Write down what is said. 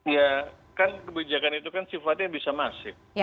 ya kan kebijakan itu kan sifatnya bisa masif